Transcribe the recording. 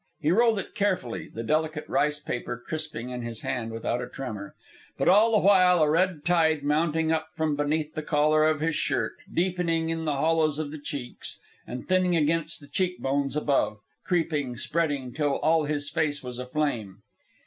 He rolled it carefully, the delicate rice paper crisping in his hand without a tremor; but all the while a red tide mounting up from beneath the collar of his shirt, deepening in the hollows of the cheeks and thinning against the cheekbones above, creeping, spreading, till all his face was aflame.